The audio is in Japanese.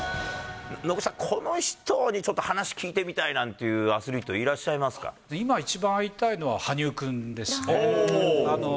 野口さん、この人に一番話聞いてみたいなんていうアスリート、いらっしゃい今一番会いたいのは、羽生君ですね。